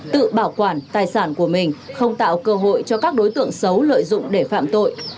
tự bảo quản tài sản của mình không tạo cơ hội cho các đối tượng xấu lợi dụng để phạm tội